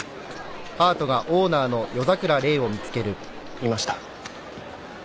いました。